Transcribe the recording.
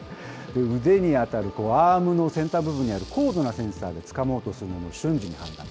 腕に当たるアームの先端部分にある高度なセンサーでつかもうとするものを瞬時に判断。